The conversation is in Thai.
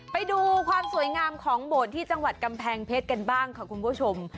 ไปดูความสวยงามของโบสถ์ที่จังหวัดกำแพงเพชรกันบ้างค่ะคุณผู้ชม